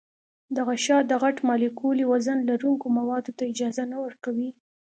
دا غشا د غټ مالیکولي وزن لرونکو موادو ته اجازه نه ورکوي.